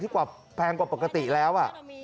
กว่าแพงกว่าปกติแล้ว